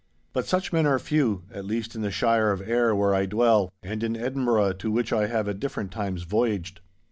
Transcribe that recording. But such men are few, at least in the shire of Ayr where I dwell, and in Edinburgh to which I have at different times voyaged.